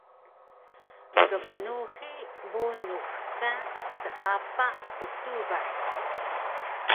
Kbnuhi bunuh ka teapa utubay